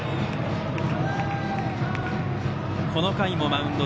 この回もマウンド